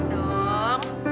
ujur hat dong